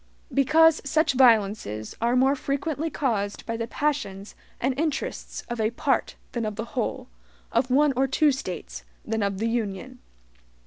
Because such violences are more frequently caused by the passions and interests of a part than of the whole; of one or two States than of the Union.